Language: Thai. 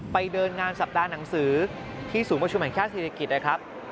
ไปเดินงานสัปดาห์หนังสือที่ศูนย์ประชุมแห่งชาติศิริกิจนะครับ